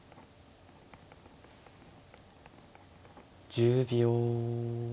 １０秒。